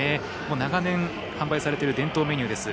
長年販売されている伝統メニューです。